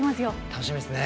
楽しみですね。